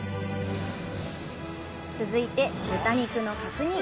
続いて、豚肉の角煮。